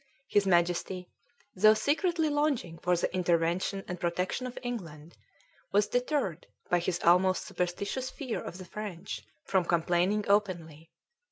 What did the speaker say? His Majesty, though secretly longing for the intervention and protection of England, was deterred by his almost superstitious fear of the French from complaining openly.